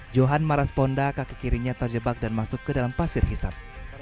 johan marasponda kakek kirinya terjebak dan masuk ke dalam pasir hisap